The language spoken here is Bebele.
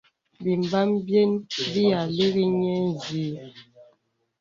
Bīmbām biyə̀n bì ï līri niə nzi.